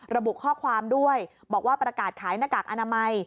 ระบุข้อความด้วยบอกว่าประกาศขายหน้ากากอนามัย